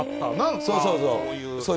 そうそう。